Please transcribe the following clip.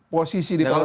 posisi di prapradilannya